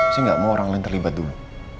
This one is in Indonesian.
saya gak mau orang lain terlibat dulu